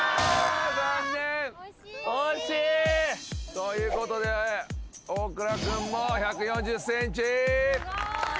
ということで大倉君も１４０ｃｍ。